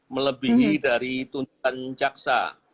melebihi dari tuntutan jaksa